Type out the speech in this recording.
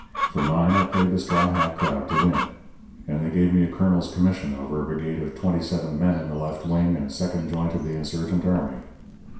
For mine, I played the straw hat crowd to win; and they gave me a colonel's commission over a brigade of twenty seven men in the left wing and second joint of the insurgent army.